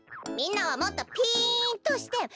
みんなはもっとピンとして。